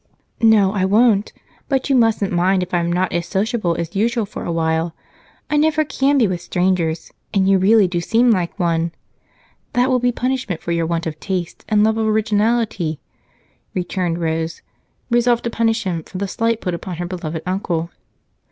"No, I won't, but you mustn't mind if I'm not as sociable as usual for a while. I never can be with strangers, and you really do seem like one. That will be a punishment for your want of taste and love of originality," returned Rose, resolved to punish him for the slight put upon her beloved uncle.